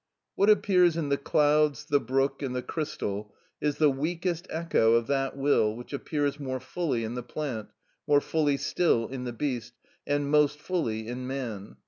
What appears in the clouds, the brook, and the crystal is the weakest echo of that will which appears more fully in the plant, more fully still in the beast, and most fully in man.